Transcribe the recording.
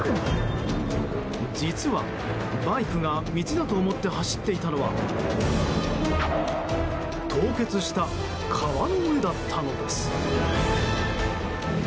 実は、バイクが道だと思って走っていたのは凍結した川の上だったのです。